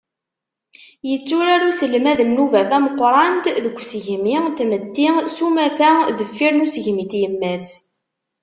Yetturar uselmad nnuba tameqqṛant deg usegmi n tmetti s umata deffir n usegmi n tyemmat.